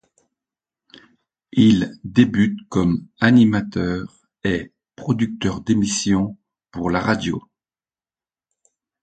Il débute comme animateur et producteur d'émissions pour la radio.